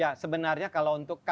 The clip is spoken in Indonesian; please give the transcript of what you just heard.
ya sebenarnya kalau untuk